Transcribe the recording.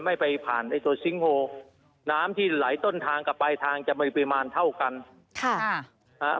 ไม่ไปผ่านไอ้ตัวซิงคโฮน้ำที่ไหลต้นทางกับปลายทางจะมีปริมาณเท่ากันค่ะนะฮะ